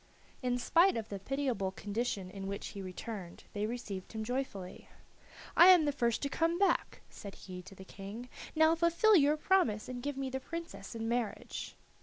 In spite of the pitiable condition in which he returned they received him joyfully. "I am the first to come back," said he to the King; now fulfil your promise, and give me the princess in marriage.